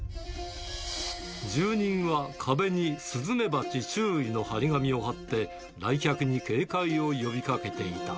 住人は壁に、スズメバチ注意の貼り紙を貼って、来客に警戒を呼びかけていた。